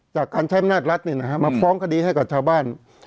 จากการใช้อำนาจรัฐมาฟ้องคดีให้กับชาวบ้าน